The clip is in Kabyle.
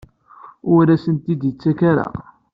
Ur asent-t-id-yettak ara?